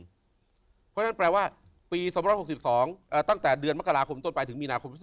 เพราะฉะนั้นแปลว่าปี๒๖๒ตั้งแต่เดือนมกราคมต้นไปถึงมีนาคม๒๕